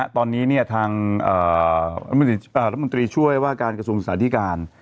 ตอนนี้ทางรัฐมนตรีช่วยว่าการกระทรวงศึกษาธิการ